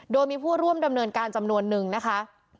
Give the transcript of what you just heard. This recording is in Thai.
โดยมีผู้ร่วมดำเนินการจำนวนนึงนะคะ